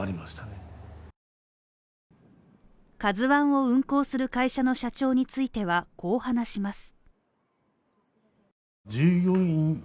「ＫＡＺＵⅠ」を運航する会社の社長についてはこう話します。